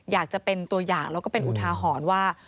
อยากจะเป็นตัวอย่างแล้วก็เป็นอุทาหรณ์ว่า